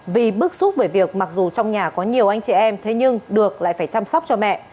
vì bức xúc bởi việc mặc dù trong nhà có nhiều anh chị em thế nhưng được lại phải chăm sóc cho mẹ